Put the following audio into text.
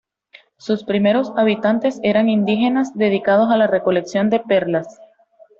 Sus primeros habitantes eran indígenas dedicados a la recolección de perlas.